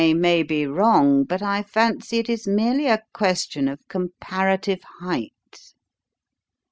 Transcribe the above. "I may be wrong, but I fancy it is merely a question of comparative height.